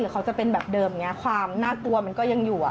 หรือเขาจะเป็นแบบเดิมความหน้าตัวมันก็ยังอยู่